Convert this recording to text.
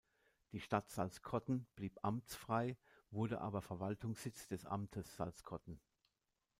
Die Stadt Salzkotten blieb amtsfrei, wurde aber Verwaltungssitz des Amtes Salzkotten.